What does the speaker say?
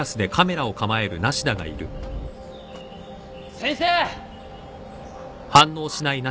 先生！